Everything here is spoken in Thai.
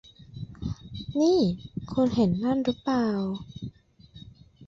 นี่ คุณเห็นนั่นรึเปล่า